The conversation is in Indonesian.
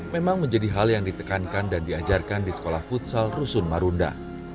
memang menjadi hal yang ditekankan dan diajarkan di sekolah futsal rusun marunda